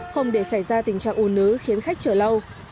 không để xảy ra tình trạng ủ nứ khiến khách chở lâu